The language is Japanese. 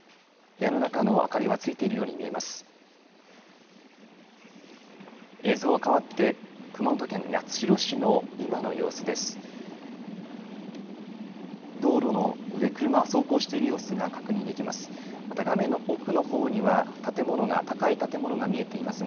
部屋の中の明かりはついているように見えます。